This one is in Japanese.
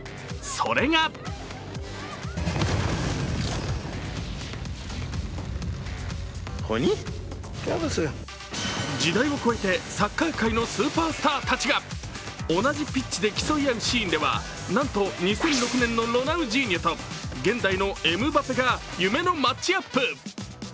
それが時代を超えてサッカー界のスーパースターたちが同じピッチで競い合うシーンではなんと２００６年のロナウジーニョと現代のエムバペが夢のマッチアップ。